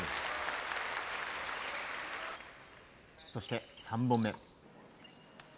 そして、３本目。